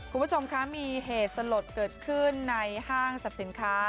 คุณผู้ชมคะมีเหตุสลดเกิดขึ้นในห้างสรรพสินค้า